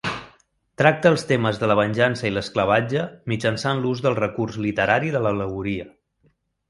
Tracta els temes de la venjança i l'esclavatge mitjançant l'ús del recurs literari de l'al·legoria.